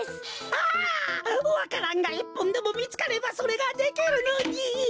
ああわか蘭がいっぽんでもみつかればそれができるのに。